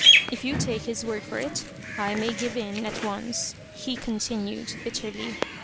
" If you take his word for it, I may give in at once," he continued, bitterly.